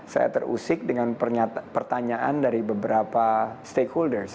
saya terusik dengan pertanyaan dari beberapa stakeholders